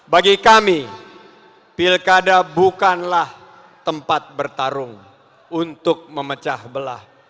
bagi kami pilkada bukanlah tempat bertarung untuk memecah belah